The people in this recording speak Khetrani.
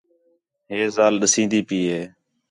ہِے ذال ݙسین٘دی پئی ہِے